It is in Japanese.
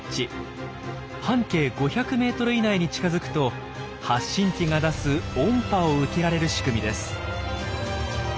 半径５００メートル以内に近づくと発信器が出す音波を受けられる仕組みです。